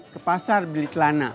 ke pasar beli telana